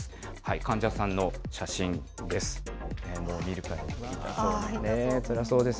患者さんの写真です。